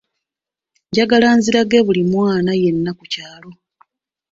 Njagala nzirage buli mwana yenna ku kyalo.